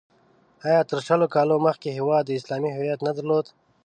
آیا تر شلو کالو مخکې هېواد اسلامي هویت نه درلود؟